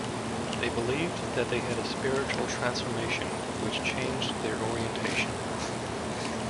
They believed that they had a spiritual transformation which changed their orientation.